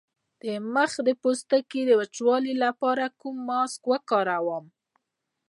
د مخ د پوستکي د وچوالي لپاره کوم ماسک وکاروم؟